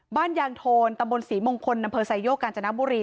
ยางโทนตำบลศรีมงคลอำเภอไซโยกกาญจนบุรี